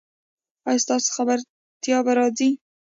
ایا ستاسو خبرتیا به راځي؟